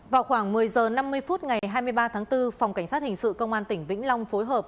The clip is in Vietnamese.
vào khoảng một mươi h năm mươi phút ngày hai mươi ba tháng bốn phòng cảnh sát hình sự công an tỉnh vĩnh long phối hợp